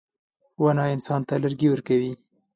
• ونه انسان ته لرګي ورکوي.